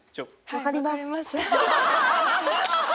わかります。